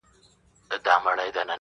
حق لرم چي والوزم اسمان ته الوته لرم,